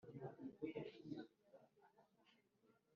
umwana muto yumvise afite umutekano mumaboko ya se.